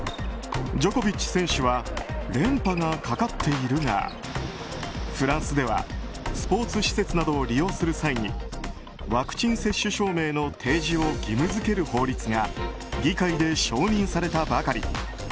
ジョコビッチ選手は連覇がかかっているがフランスではスポーツ施設などを利用する際にワクチン接種証明の提示を義務付ける法律が議会で承認されたばかり。